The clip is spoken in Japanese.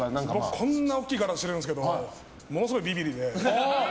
こんな大きい体しているんですけどものすごい、ビビりで。